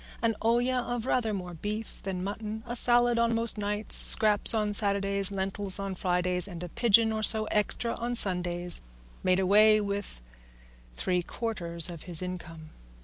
An olla of rather more beef than mutton, a salad on most nights, scraps on Saturdays, lentils on Fridays, and a pigeon or so extra on Sundays, made away with three quarters of his income.